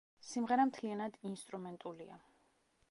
სიმღერა მთლიანად ინსტრუმენტულია.